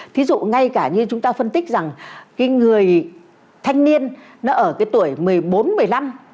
thí dụ ngay cả như chúng ta phân tích rằng cái người thanh niên nó ở cái tuổi một mươi bốn tuổi